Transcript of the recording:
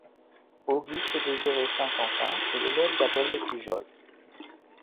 Auguste Désiré Saint-Quentin est l'élève d'Abel de Pujol.